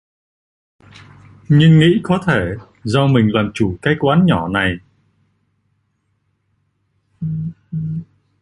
Nhưng nghĩ có thể do mình làm chủ cái quán nhỏ này